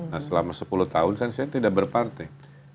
nah selama sepuluh tahun kan saya tidak berpartai